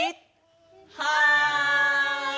はい！